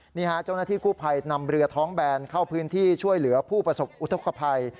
นี่ฮะเจ้าหน้าที่กู้ภัยนำเรือท้องแบนเข้าพื้นที่ช่วยเหลือผู้ประสบอุทธกภัย